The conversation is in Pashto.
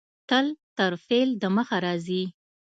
تل تر فعل د مخه راځي.